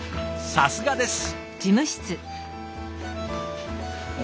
さすがです。